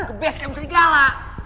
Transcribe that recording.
ke basecamp serigala